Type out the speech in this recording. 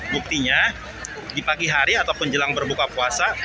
buktinya di pagi hari ataupun jelang berbuka puasa